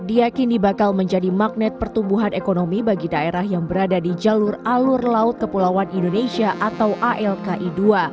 diakini bakal menjadi magnet pertumbuhan ekonomi bagi daerah yang berada di jalur alur laut kepulauan indonesia atau alki dua